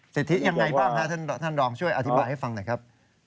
สิทธิยังไงบ้างฮะท่านรองช่วยอธิบายให้ฟังหน่อยครับ